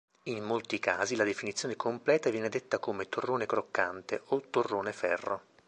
In molti casi la definizione completa viene detta come Torrone Croccante o Torrone Ferro.